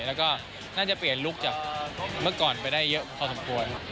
แล้วก็น่าจะเปลี่ยนลุคจากเมื่อก่อนไปได้เยอะพอสมควร